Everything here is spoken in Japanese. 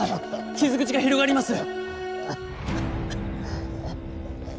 傷口が広がります。